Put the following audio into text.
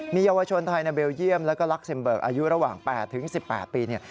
มียาวชนไทยในเบลเยี่ยมและลักเซมเบิกอายุระหว่าง๘๑๘ปี